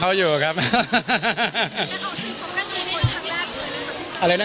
หรือว่าไม่ค่อย